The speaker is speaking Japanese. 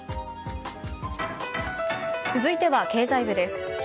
続いては、経済部です。